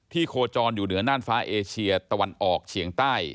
โคจรอยู่เหนือน่านฟ้าเอเชียตะวันออกเฉียงใต้